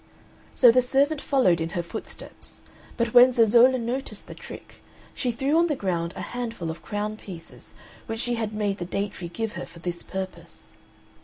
So the servant followed in her footsteps; but when Zezolla noticed the trick she threw on the ground a handful of crown pieces which she had made the date tree give her for this purpose.